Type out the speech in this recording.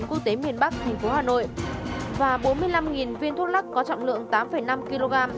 quốc tế miền bắc tp hà nội và bốn mươi năm viên thuốc lắc có trọng lượng tám năm kg